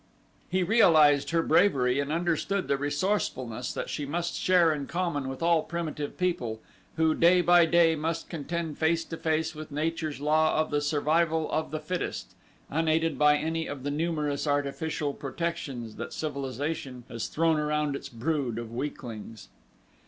He realized her bravery and understood the resourcefulness that she must share in common with all primitive people who, day by day, must contend face to face with nature's law of the survival of the fittest, unaided by any of the numerous artificial protections that civilization has thrown around its brood of weaklings.